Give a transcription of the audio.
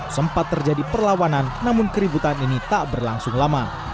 sempat terjadi perlawanan namun keributan ini tak berlangsung lama